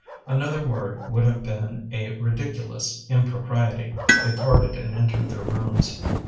Another word would have been a ridiculous impro priety. They parted and entered their rooms.